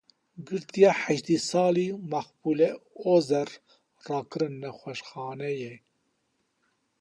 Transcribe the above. Girtiya heştê salî Makbule Ozer rakirin nexweşxaneyê.